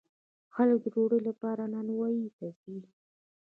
خلک د ډوډۍ لپاره نانواییو ته ځي.